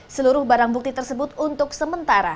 seluruh barang bukti tersebut untuk sementara